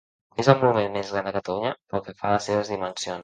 És el monument més gran de Catalunya pel que fa a les seves dimensions.